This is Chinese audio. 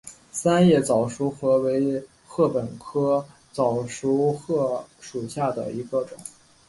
三叶早熟禾为禾本科早熟禾属下的一个种。